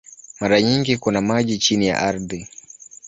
Mara nyingi kuna maji chini ya ardhi.